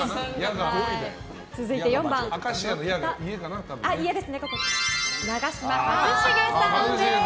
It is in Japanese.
続いて４番、長嶋一茂さんです。